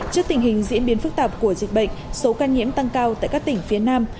trước tình hình diễn biến phức tạp của dịch bệnh số ca nhiễm tăng cao tại các tỉnh phía nam